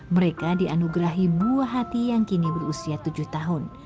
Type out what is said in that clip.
mereka dianugerahi buah hati yang kini berusia tujuh tahun